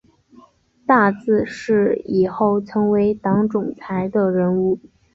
大字是以后成为党总裁的人物